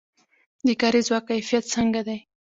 د کاري ځواک کیفیت څنګه دی؟